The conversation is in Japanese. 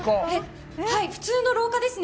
普通の廊下ですね。